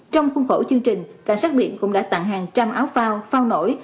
trong khuôn khổ chương trình cảnh sát biển cũng đã tặng hàng trăm áo phao phao nổi